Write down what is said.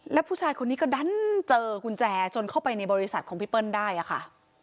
แล้วผู้ชายคนนี้ก็ดันเจอกุญแจจนเข้าไปในบริษัทของพี่เปิ้ลได้ค่ะ